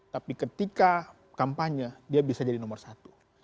tapi ketika kampanye dia bisa jadi nomor satu